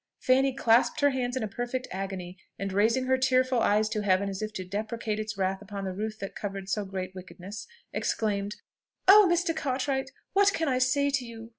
Fanny clasped her hands in a perfect agony, and raising her tearful eyes to Heaven as if to deprecate its wrath upon the roof that covered so great wickedness, exclaimed, "Oh, Mr. Cartwright! what can I say to you!"